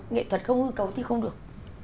nghệ thuật không hư cấu thì không được